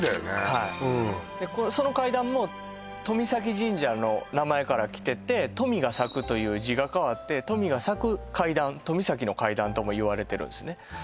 はいその階段も遠見岬神社の名前からきてて冨が咲くという字が変わって冨が咲く階段冨咲の階段ともいわれてるんですね